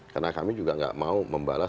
karena kami juga nggak mau membalas